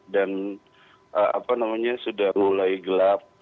dan sudah mulai gelap